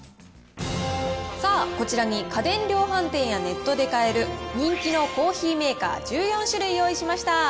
さあ、こちらに家電量販店やネットで買える人気のコーヒーメーカー１４種類用意しました。